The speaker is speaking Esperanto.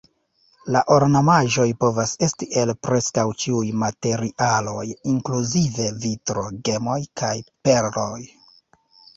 La ornamaĵoj povas esti el preskaŭ ĉiuj materialoj inkluzive vitro, gemoj kaj perloj.